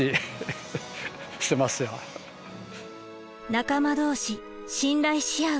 仲間同士信頼し合う。